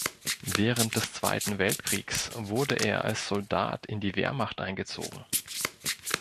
Während des Zweiten Weltkriegs wurde er als Soldat in die Wehrmacht eingezogen.